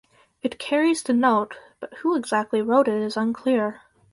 It carries the note but who exactly wrote it is unclear.